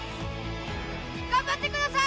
頑張ってください！